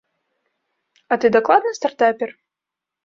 А ты дакладна стартапер?